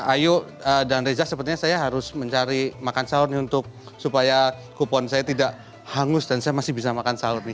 ayu dan reza sepertinya saya harus mencari makan sahur nih untuk supaya kupon saya tidak hangus dan saya masih bisa makan sahur nih